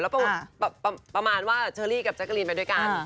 แล้วประมาณว่าเชอรี่กับแจ๊กรีนไปด้วยกัน